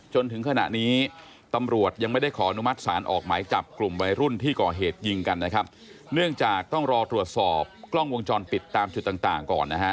จนถึงขณะนี้ตำรวจยังไม่ได้ขออนุมัติศาลออกหมายจับกลุ่มวัยรุ่นที่ก่อเหตุยิงกันนะครับเนื่องจากต้องรอตรวจสอบกล้องวงจรปิดตามจุดต่างต่างก่อนนะฮะ